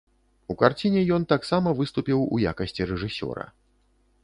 У карціне ён таксама выступіў у якасці рэжысёра.